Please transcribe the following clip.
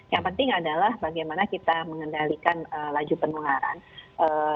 yang penting adalah bagaimana kita mengendalikan laju penularan dan kalaupun tadi pak irmawan memberikan nilai enam atau tujuh